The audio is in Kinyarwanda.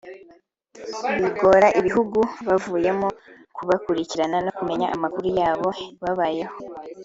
bigora ibihugu bavuyemo kubakurikirana no kumenya amakuru y’uko babayeho